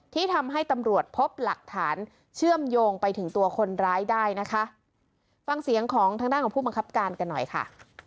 ที่ทำให้ตำรวจพบหลักฐานเชื่อมโยงไปถึงตัวคนร้ายได้นะคะฟังเสียงของทางด้านของผู้บังคับการกันหน่อยค่ะ